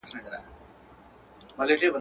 د دې خلکو دي خدای مل سي له پاچا څخه لار ورکه.